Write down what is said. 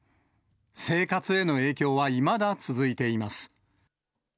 生活への影響はいまだ続いています。